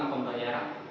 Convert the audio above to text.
itu pembayaran itu